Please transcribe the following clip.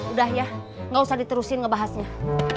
udah ya gak usah diterusin ngebahasnya